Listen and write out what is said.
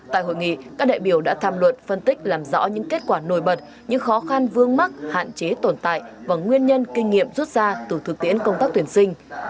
tại hội nghị các đại biểu đã tham luận phân tích làm rõ những kết quả nổi bật những khó khăn vương mắc hạn chế tồn tại và nguyên nhân kinh nghiệm rút ra từ thực tiễn công tác tuyển sinh